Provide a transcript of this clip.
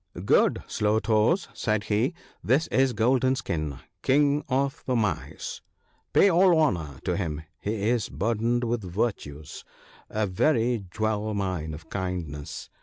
' Good Slow toes,' said he, ' this is Golden skin, King of the Mice, — pay all honour to him,— he is burdened with virtues — a very jewel mine of kindnesses.